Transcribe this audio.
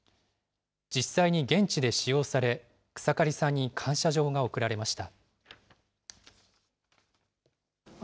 実際に現地で使用され、草刈さんに感謝状が贈られました。